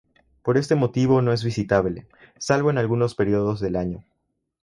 Por este motivo no es visitable, salvo en algunos períodos del año.